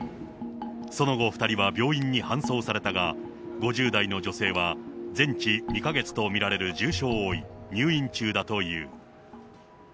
その後、２人は病院に搬送されたが、５０代の女性は全治２か月と見られる重傷を負い、入院中だという。